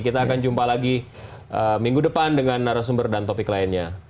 kita akan jumpa lagi minggu depan dengan narasumber dan topik lainnya